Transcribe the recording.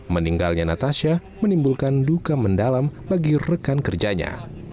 meninggalnya natasha menimbulkan duka mendalam bagi rekan kerjanya